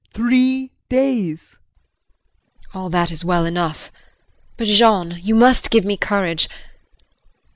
Three days! JULIE. All that is well enough, but Jean you must give me courage.